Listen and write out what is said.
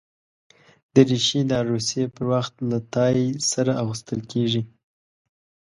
دریشي د عروسي پر وخت له ټای سره اغوستل کېږي.